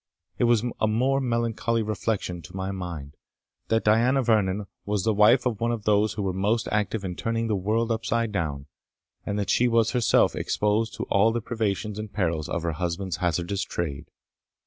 It was a more melancholy reflection to my mind, that Diana Vernon was the wife of one of those who were most active in turning the world upside down, and that she was herself exposed to all the privations and perils of her husband's hazardous trade.